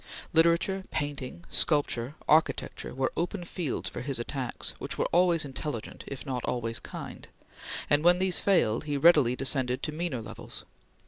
Literature, painting, sculpture, architecture were open fields for his attacks, which were always intelligent if not always kind, and when these failed, he readily descended to meaner levels.